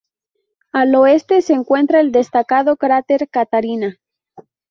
Al oeste se encuentra el destacado cráter Catharina.